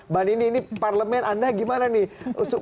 mbak nini ini parlemen anda gimana nih